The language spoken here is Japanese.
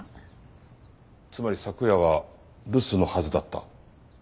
つまり昨夜は留守のはずだった。